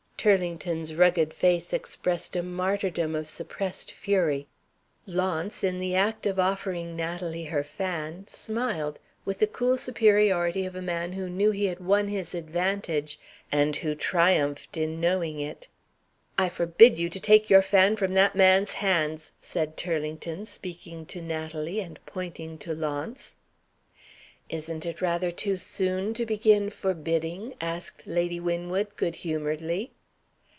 Turlington's rugged face expressed a martyrdom of suppressed fury. Launce in the act of offering Natalie her fan smiled, with the cool superiority of a man who knew that he had won his advantage, and who triumphed in knowing it. "I forbid you to take your fan from that man's hands," said Turlington, speaking to Natalie, and pointing to Launce. "Isn't it rather too soon to begin 'forbidding'?" asked Lady Winwood, good humoredly.